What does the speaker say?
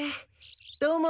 どうも！